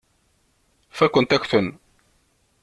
Fakkent-ak-ten.